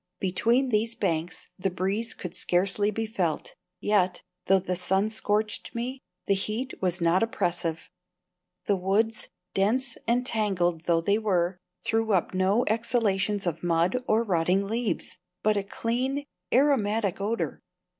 Between these banks the breeze could scarcely be felt, yet, though the sun scorched me, the heat was not oppressive. The woods, dense and tangled though they were, threw up no exhalations of mud or rotting leaves, but a clean, aromatic odour.